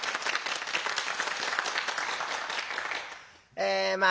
ええまあ